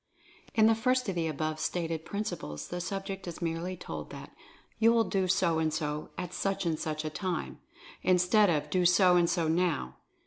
In the first of the above stated principles the sub ject is merely told that, "You will do so and so, at such and such a time," instead of "Do so and so now."